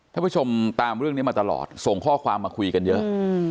ท่านผู้ชมตามเรื่องนี้มาตลอดส่งข้อความมาคุยกันเยอะ